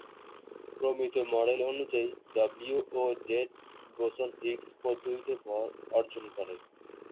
প্রমিত মডেল অনুযায়ী, ডব্লিউ ও জেড বোসন হিগস পদ্ধতিতে ভর অর্জন করে।